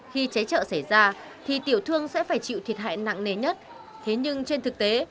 khi cháy trợ xảy ra thì tiểu thương sẽ phải chịu thiệt hại nặng nề nhất thế nhưng trên thực tế